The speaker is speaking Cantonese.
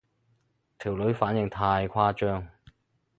條女反應太誇張